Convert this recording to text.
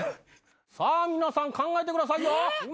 ⁉さあ皆さん考えてくださいよ。